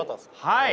はい。